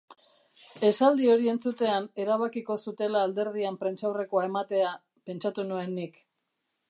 Esaldi hori entzutean erabakiko zutela alderdian prentsaurrekoa ematea, pentsatu nuen nik.